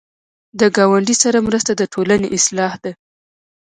د ګاونډي سره مرسته د ټولنې اصلاح ده